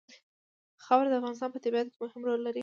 خاوره د افغانستان په طبیعت کې مهم رول لري.